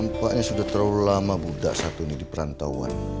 lampanya sudah terlalu lama budak satu ini di perantauan